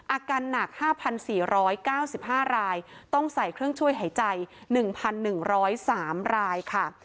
อาการหนักห้าพันสี่ร้อยเก้าสิบห้ารายต้องใส่เครื่องช่วยหายใจหนึ่งพันหนึ่งร้อยสามรายค่ะ